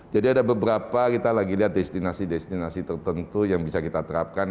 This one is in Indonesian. jadi ada beberapa kita lagi lihat destinasi destinasi tertentu yang bisa kita terapkan